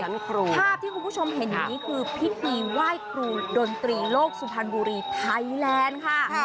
ภาพที่คุณผู้ชมเห็นอยู่นี้คือพิธีไหว้ครูดนตรีโลกสุพรรณบุรีไทยแลนด์ค่ะ